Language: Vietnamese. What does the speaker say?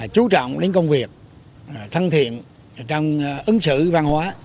chú trọng đến công việc thân thiện trong ứng xử văn hóa